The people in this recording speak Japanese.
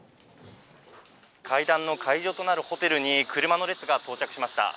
会談の会場となるホテルに、車の列が到着しました。